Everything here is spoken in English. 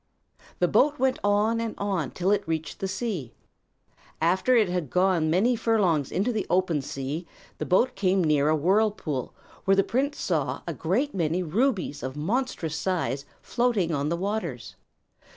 The boat went on and on till it reached the sea. After it had gone many furlongs into the open sea, the boat came near a whirlpool where the prince saw a great many rubies of monstrous size floating on the waters.